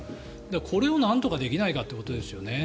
これをなんとかできないかってことですよね。